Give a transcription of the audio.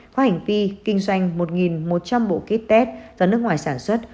có hành vi kinh doanh một một trăm linh bộ kit test do nước ngoài sản xuất